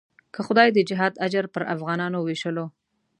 که خدای د جهاد اجر پر افغانانو وېشلو.